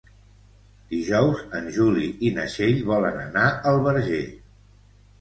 Dijous en Juli i na Txell volen anar al Verger.